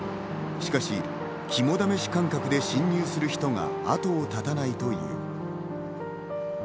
しかし肝試し感覚で侵入する人が後を絶たないという。